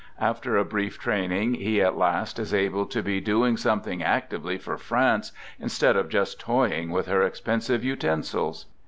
After a brief training, he at last is able to be " do ing something actively for France, instead of just toying with her expensive utensils."